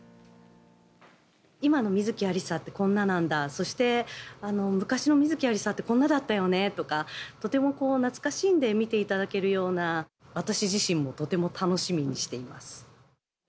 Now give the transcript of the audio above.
今の観月ありさって、こんななんだ、そして、昔の観月ありさってこんなだったよねとか、とても懐かしんで見ていただけるような、私自身もとても楽しみにしています。